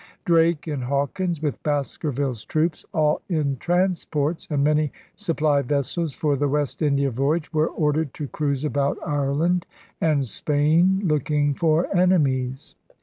Drake and Hawkins, with Baskerville's troops (all in transports) and many supply vessels for the West India voyage, were ordered to cruise about Ireland and Spain looking for enemies.